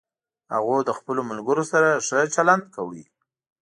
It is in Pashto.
هغوی له خپلوملګرو سره ښه چلند کوي